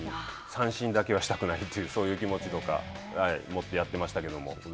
三振だけはしたくないというそういう気持ちとか、持ってやってましたけども。